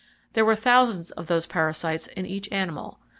There were hundreds of those parasites in each animal.